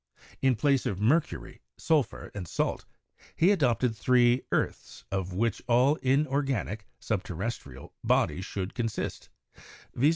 In place of mercury, sulphur and salt, he adopted three ''earths," of which all inorganic ("Subterrestrial") bodies should consist, viz.